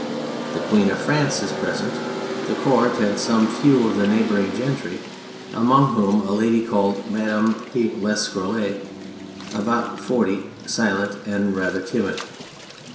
The (^iicen of France is present, the Court, and some few of the neighbouring gentry, among whom a Lady called Madame d' Escitrolles, about forty, silent, and rather timid.